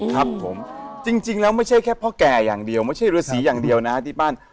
ครับผมจริงแล้วไม่ใช่แค่พ่อแก่อย่างเดียวไม่ใช่ฤษีอย่างเดียวนะที่บ้าน